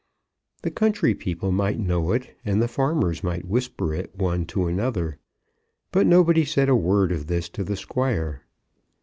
The country people might know it, and the farmers might whisper it one to another. But nobody said a word of this to the Squire.